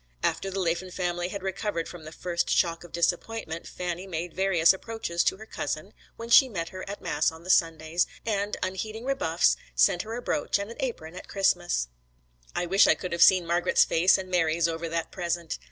After the Laffan family had recovered from the first shock of disappointment Fanny made various approaches to her cousin when she met her at mass on the Sundays, and, unheeding rebuffs, sent her a brooch and an apron at Christmas. I wish I could have seen Margret's face and Mary's over that present.